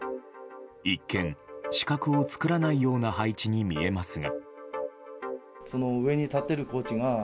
一見、死角を作らないような配置に見えますが。